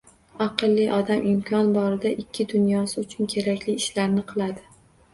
Aqlli odam imkon borida ikki dunyosi uchun kerakli ishlarni qiladi.